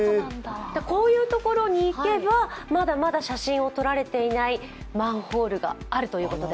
こういうところに行けばまだまだ写真を撮られていないマンホールがあるということで。